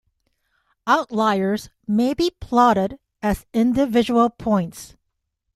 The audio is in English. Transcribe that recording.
Outliers may be plotted as individual points.